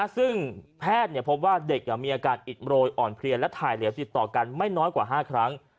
ซึ่งแพทย์พบว่าเด็กมีอาการอิดโรยอ่อนเพลียและถ่ายเหลวติดต่อกันไม่น้อยกว่า๕ครั้ง